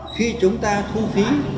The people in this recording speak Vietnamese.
khi chúng ta thu phí